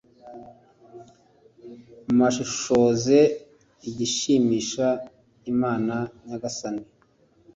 r/ murashishoze igishimisha imana nyagasani